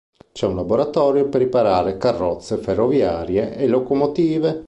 C'è un laboratorio per riparare carrozze ferroviarie e locomotive.